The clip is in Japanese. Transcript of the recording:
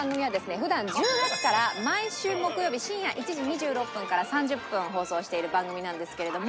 普段１０月から毎週木曜日深夜１時２６分から３０分放送している番組なんですけれども。